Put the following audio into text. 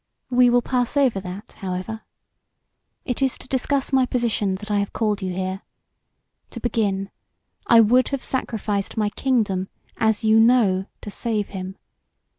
We will pass over that, however. It is to discuss my position that I have called you here. To begin, I would have sacrificed my kingdom, as you know, to save him.